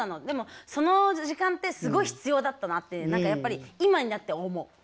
でもその時間ってすごい必要だったなって何かやっぱり今になって思う。